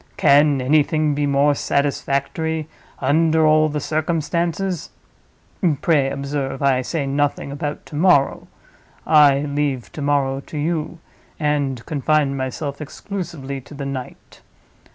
Can anything be more satisfactory, under all the circumstances? Pray observe, I say nothing about to morrow—I leave to morrow to you, and confine myself exclusively to the night.